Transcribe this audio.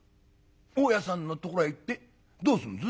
「大家さんのところへ行ってどうすんです？」。